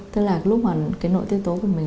tức là lúc mà cái nội tiêu tố của mình